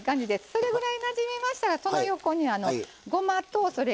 それぐらいなじみましたらその横にごまとそれからかつお節あると思います。